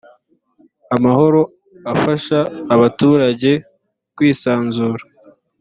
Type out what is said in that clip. amahoro afasha abaturage kwisanzura.